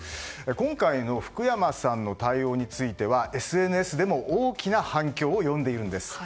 今回の福山さんの対応についてはＳＮＳでも大きな反響を呼んでいるんです。